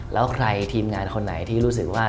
แล้วใครทีมงานคนไหนที่รู้สึกว่า